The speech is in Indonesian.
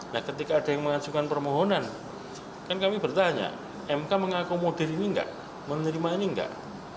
nah ketika ada yang mengajukan permohonan kan kami bertanya mk mengakomodir ini enggak menerima ini enggak